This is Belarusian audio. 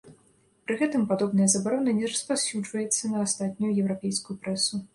Пры гэтым падобная забарона не распаўсюджваецца на астатнюю еўрапейскую прэсу.